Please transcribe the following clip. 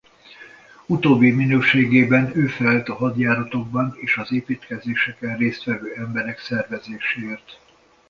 Utóbbi minőségében ő felelt a hadjáratokban és az építkezéseken részt vevő emberek szervezéséért.